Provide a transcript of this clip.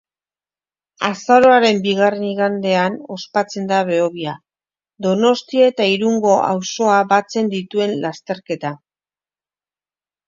Azaroaren bigarren igandean ospatzen da Behobia, Donostia eta Irungo auzoa batzen dituen lasterketa.